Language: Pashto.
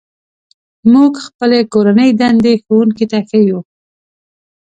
موږ خپلې کورنۍ دندې ښوونکي ته ښيو.